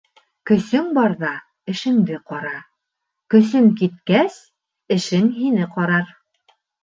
Көсөң барҙа эшеңде ҡара, көсөң киткәс, эшең һине ҡарар.